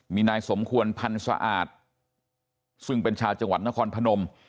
มีนายสมควรพันธ์สะอาดซึ่งเป็นชาวจังหวัดนครพนม